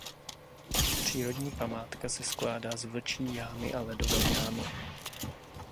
Přírodní památka se skládá z Vlčí jámy a Ledové jámy.